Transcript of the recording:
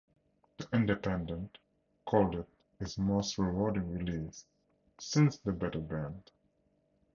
The Independent called it "his most rewarding release since the Beta Band".